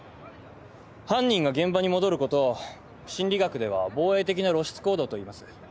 犯人が現場に戻ることを心理学では防衛的な露出行動といいます。